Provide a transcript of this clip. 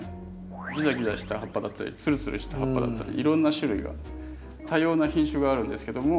ギザギザした葉っぱだったりツルツルした葉っぱだったりいろんな種類が多様な品種があるんですけども。